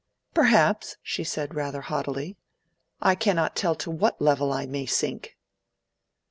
"Perhaps," she said, rather haughtily. "I cannot tell to what level I may sink."